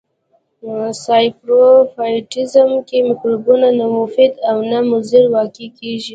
ساپروفایټیزم کې مکروبونه نه مفید او نه مضر واقع کیږي.